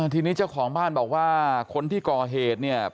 ทีนี้เจ้าของบ้านบอกว่าคนที่ก่อเหตุเนี่ย